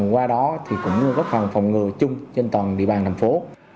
qua đó thì cũng có phòng ngừa chung trên toàn địa bàn thành phố